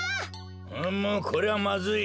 うむこれはまずい。